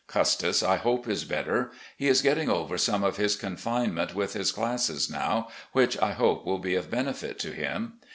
Custis, I hope, is better. He is getting over some of his confinement with his classes now, which I hope will be of benefit to him.